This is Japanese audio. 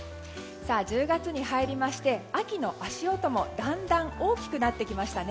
１０月に入りまして秋の足音もだんだん大きくなってきました。